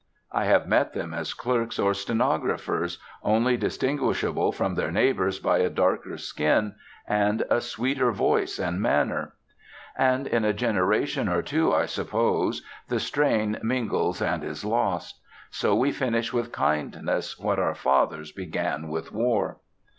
I have met them, as clerks or stenographers, only distinguishable from their neighbours by a darker skin and a sweeter voice and manner. And in a generation or two, I suppose, the strain mingles and is lost. So we finish with kindness what our fathers began with war.